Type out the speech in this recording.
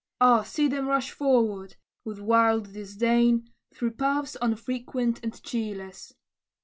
Ah! see them rush forward, with wild disdain, Through paths unfrequented and cheerless.